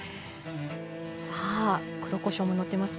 さあ黒こしょうものってます。